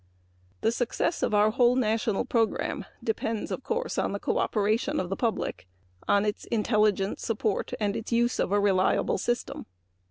The success of our whole great national program depends, of course, upon the cooperation of the public on its intelligent support and use of a reliable system.